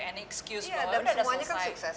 any excuse bahwa udah selesai